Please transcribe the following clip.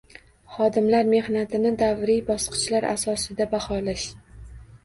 Xodimlar mehnatini davriy bosqichlar asosida baholash